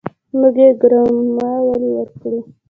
موږ يې ګرمانه ولې ورکړو.